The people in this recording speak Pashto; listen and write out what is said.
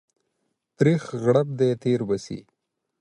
تريخ غړپ دى تير به سي.